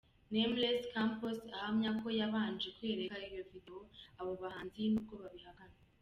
Nameless Campos ahamya ko yabanje kwereka iyo video abo bahanzi n’ubwo bo babihakana.